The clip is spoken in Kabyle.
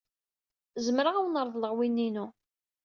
Zemreɣ ad awen-reḍleɣ win-inu.